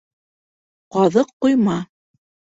ҠАҘЫҠ ҠОЙМА